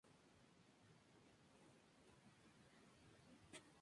Se encuentra allí la mayor concentración de orquídeas del mundo.